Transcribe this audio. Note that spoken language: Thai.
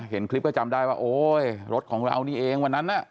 เห็นคลิปก็จำได้ว่าโอ๊ยรถของเรานี่เองวันนั้นน่ะ